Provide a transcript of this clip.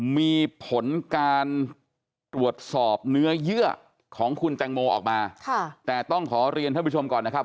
มีผลการตรวจสอบเนื้อเยื่อของคุณแตงโมออกมาค่ะแต่ต้องขอเรียนท่านผู้ชมก่อนนะครับ